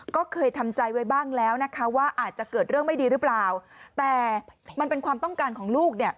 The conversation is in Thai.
ก็เคยทำใจไว้บ้างแล้วนะคะว่าอาจจะเกิดเรื่องไม่ดีหรือเปล่าแต่มันเป็นความต้องการของลูกเนี่ย